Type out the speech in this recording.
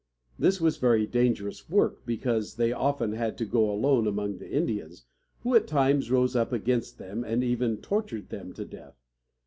This was very dangerous work, because they often had to go alone among the Indians, who at times rose up against them and even tortured them to death.